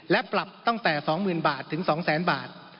และปรับตั้งแต่๒๐๐๐บาทถึง๒๐๐๐บาท